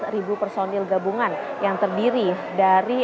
dan juga ada empat belas personil gabungan yang terdiri dari empat belas tni